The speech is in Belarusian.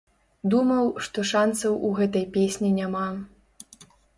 Думаю, што шанцаў у гэтай песні няма.